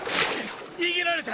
逃げられた！